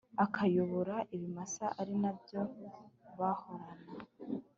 akayobora ibimasa ari na byo bahorana